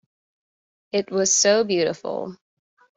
It was so beautiful.